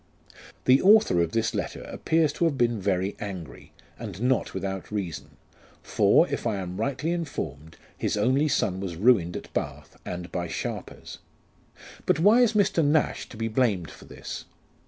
The author of this letter appears to have been very angry, and not without reason ; for, if I am rightly informed, his only son was ruined at Bath, and by sharpers. But why is Mr. Nash to be blamed for this